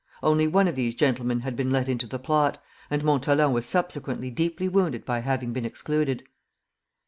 Only one of these gentlemen had been let into the plot, and Montholon was subsequently deeply wounded by having been excluded.